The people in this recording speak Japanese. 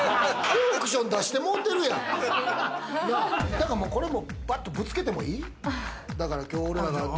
だから、これもバッとぶつけてもいい？